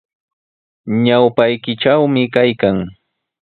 Ñawpaykitrawmi kaykan.